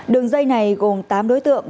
đường dây này gồm tám đối tượng